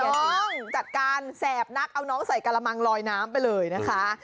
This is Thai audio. ถูกต้องจัดการแสบนักเอาน้องใส่กระมังลอยน้ำไปเลยนะคะ